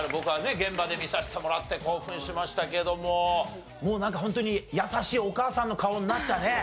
現場で見させてもらって興奮しましたけどももうなんかホントに優しいお母さんの顔になったね。